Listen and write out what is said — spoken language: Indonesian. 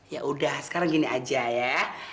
yaudah sekarang gini aja ya